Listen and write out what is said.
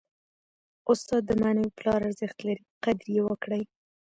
استاد د معنوي پلار ارزښت لري. قدر ئې وکړئ!